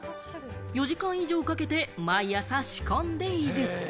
４時間以上かけて毎朝仕込んでいる。